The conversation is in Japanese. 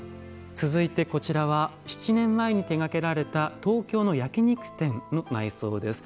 続いてこちらは７年前に手がけられた東京の焼き肉店の内装です。